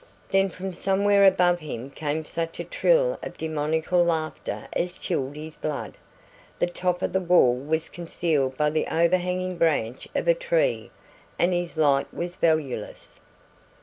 Then from somewhere above him came such a trill of demoniacal laughter as chilled his blood. The top of the wall was concealed by the overhanging branch of a tree and his light was valueless.